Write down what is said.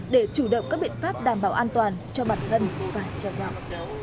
để chủ động các biện pháp đảm bảo an toàn cho bản thân và trẻ em